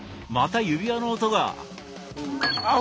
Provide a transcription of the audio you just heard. また指輪の音が。